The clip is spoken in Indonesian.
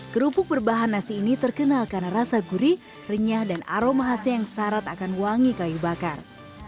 kerupuk berbahan nasi ini terkenal karena rasa gurih renyah dan aroma khasnya yang syarat akan wangi kayu bakar